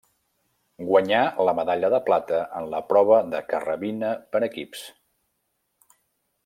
Guanyà la medalla de plata en la prova de carrabina per equips.